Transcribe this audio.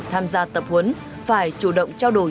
tham gia tập huấn phải chủ động trao đổi